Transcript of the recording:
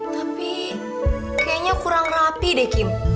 tapi kayaknya kurang rapi deh kim